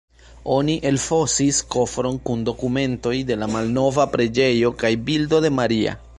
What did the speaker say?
Oni elfosis kofron kun dokumentoj de la malnova preĝejo kaj bildo de Maria.